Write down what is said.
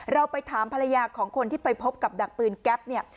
เราไปถามภรรยาของคนที่ไปพบกับดักปืนแก๊ปเนี่ย